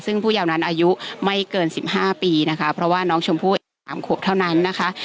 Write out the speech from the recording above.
ซึ่งผู้เยานั้นอายุไม่เกินสิบห้าปีนะคะเพราะว่าน้องชมพู่แอบสามครบเท่านั้นนะคะ